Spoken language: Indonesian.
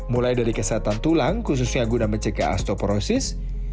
mulai dari kesehatan tulang khususnya guna mencegah astoporosis